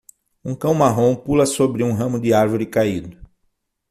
Um cão marrom pula sobre um ramo de árvore caído.